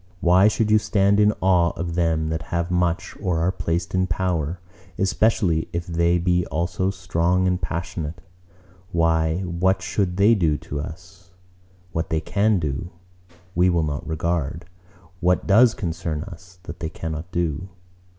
Why should you stand in awe of them that have much or are placed in power, especially if they be also strong and passionate? Why, what should they do to us? What they can do, we will not regard: what does concern us, that they cannot do.